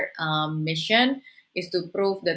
untuk membuktikan bahwa mereka bisa